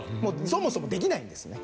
そもそもできないんですね。